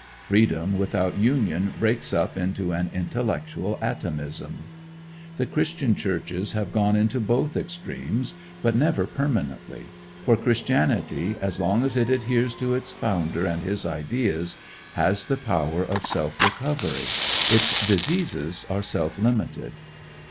Freedom without union breaks up into an intellectual atomism. The Christian churches have gone into both extremes, but never permanently; for Christianity, as long as it adheres to its founder and his ideas, has the power of self recovery. Its diseases are self limited.